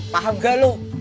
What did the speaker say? paham gak lu